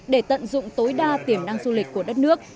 để tận dụng tối đa tiềm năng du lịch của đất nước